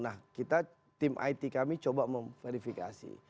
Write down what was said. nah kita tim it kami coba memverifikasi